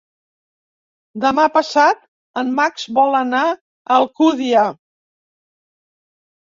Demà passat en Max vol anar a Alcúdia.